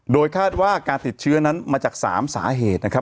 โดยคาดว่าการติดเชื้อนั้นมาจาก๓สาเหตุนะครับ